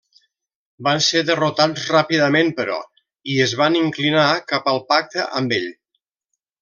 Van ser derrotats ràpidament però, i es van inclinar cap al pacte amb ell.